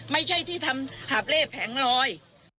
ไม่ใช่ที่ทำหาบเล่แผงลอย